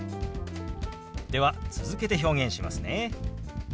では続けて表現しますね。